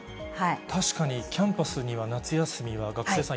確かにキャンパスには夏休みは学生さん